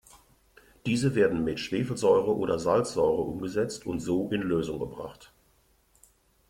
Diese werden mit Schwefelsäure oder Salzsäure umgesetzt und so in Lösung gebracht.